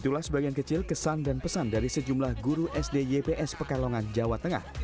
itulah sebagian kecil kesan dan pesan dari sejumlah guru sd yps pekalongan jawa tengah